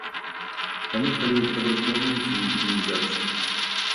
Таму калі вы прарэкламуеце, мы будзем удзячныя.